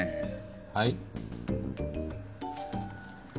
はい？